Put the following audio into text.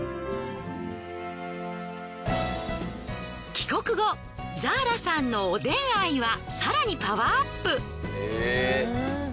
帰国後ザーラさんのおでん愛は更にパワーアップ。